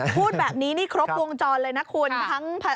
พูดแบบนี้นี่ครบวงจรเลยนะคุณ